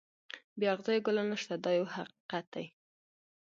بې اغزیو ګلان نشته دا یو حقیقت دی.